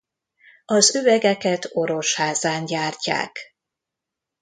Az üvegeket Orosházán gyártják.